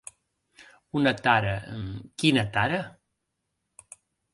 Una tara… Quina tara?